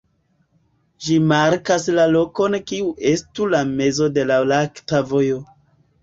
Ĝi markas la lokon kiu estu la mezo de la Lakta Vojo.